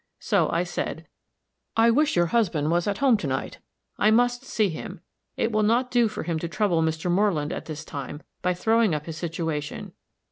So I said, "I wish your husband was at home to night. I must see him. It will not do for him to trouble Mr. Moreland at this time, by throwing up his situation.